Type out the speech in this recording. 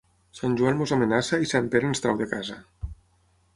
Sant Joan ens amenaça i Sant Pere ens trau de casa.